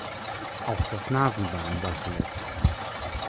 Auch das Nasenbein war verletzt.